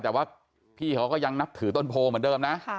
แต่ว่าพี่เขาก็ยังนับถือต้นโพเหมือนเดิมนะ